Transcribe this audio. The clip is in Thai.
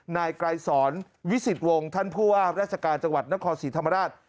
นายไกรสอนวิสิตวงศ์ท่านผู้ว่าราชการจังหวัดนครศรีธรรมราช